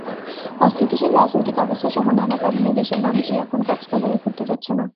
অস্থিতিশীল রাজনৈতিক অবস্থাসহ নানা কারণে দেশের মানুষই এখন কক্সবাজারে ঘুরতে যাচ্ছে না।